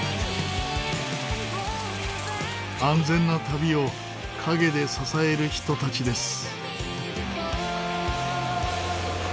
安全な旅を陰で支える人たちです。